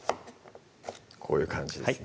こういう感じですね